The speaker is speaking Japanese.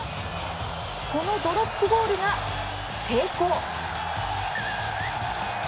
このドロップゴールが成功。